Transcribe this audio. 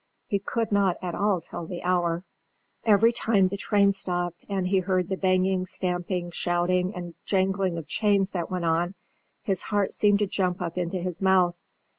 He could not at all tell the hour. Every time the train stopped and he heard the banging, stamping, shouting, and jangling of chains that went on, his heart seemed to jump up into his mouth.